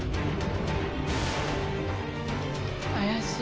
怪しい。